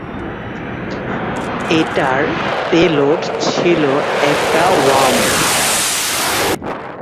এটার পেলোড ছিলো একটা ওয়ার্ম।